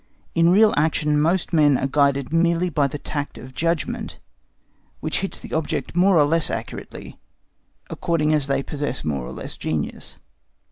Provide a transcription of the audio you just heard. In real action most men are guided merely by the tact of judgment which hits the object more or less accurately, according as they possess more or less genius.